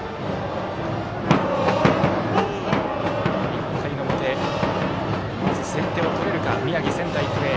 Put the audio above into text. １回の表、まず先手を取れるか宮城、仙台育英。